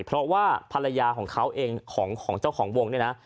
เพราะว่าภรรยาของเขาเองของเจ้าของวงเนี่ยนะ